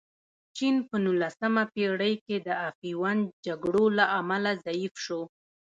چین په نولسمه پېړۍ کې د افیون جګړو له امله ضعیف شو.